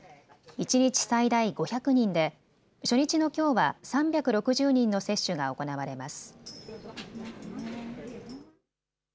一日最大５００人で初日のきょうは３６０人の接種が行われます。